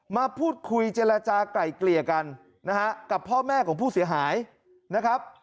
มาพูดคุยเจรจากลายเกลี่ยกันนะฮะกับพ่อแม่ของผู้เสียหายนะครับ